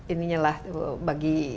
ininya lah bagi